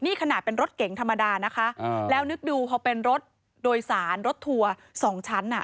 นี่ขนาดเป็นรถเก๋งธรรมดานะคะแล้วนึกดูเขาเป็นรถโดยสารรถทัวร์สองชั้นอ่ะ